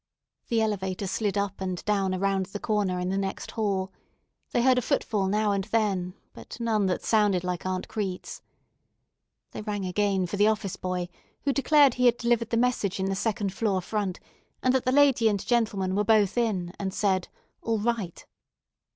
The elevator slid up and down around the corner in the next hall. They heard a footfall now and then, but none that sounded like Aunt Crete's. They rang again for the office boy, who declared he had delivered the message in the second floor, front, and that the lady and gentleman were both in and said, "All right."